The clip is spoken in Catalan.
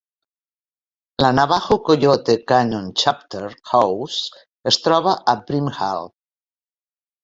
La Navajo Coyote Canyon Chapter House es troba a Brimhall.